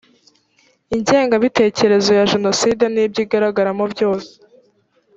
ingengabitekerezo ya jenoside n ibyo igaragaramo byose